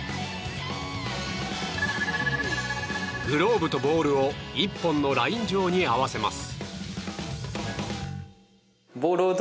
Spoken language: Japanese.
グローブとボールを１本のライン上に合わせます。